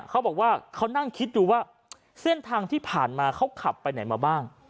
เขาบอกว่าเขานั่งคิดดูว่าเส้นทางที่ผ่านมาเขาขับไปไหนมาบ้าง